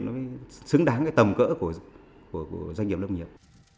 nó mới xứng đáng cái tầm cỡ của doanh nghiệp lâm nghiệp